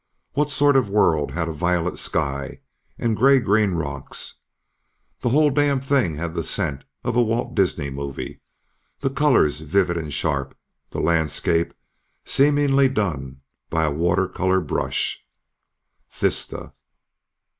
What sort of a world had a violet sky and grey green rocks? The whole damned thing had the scent of a Walt Disney movie, the colors vivid and sharp, the landscape seemingly done by a watercolor brush. _Thista.